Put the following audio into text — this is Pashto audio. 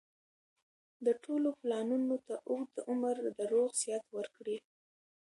د ټولو پلانونو ته اوږد عمر د روغ صحت ورکړي